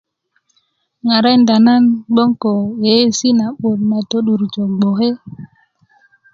ŋarakinda na i gboŋ ko yiyesi na 'but na todurja gboke